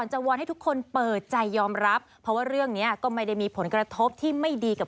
ผมก็มีความรู้สึกดีให้ครับ